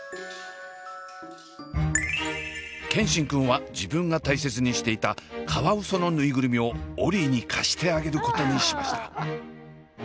健新くんは自分が大切にしていたカワウソのぬいぐるみをオリィに貸してあげることにしました。